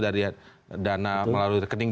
dari dana melalui rekening